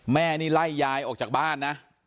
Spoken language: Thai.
แม่นี่ไล่ยายออกจากบ้านนะ